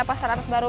pasar atas baru